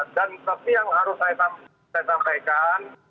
dan seperti yang harus saya sampaikan